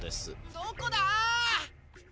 どこだ？